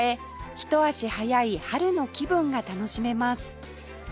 一足早い春の気分が楽しめます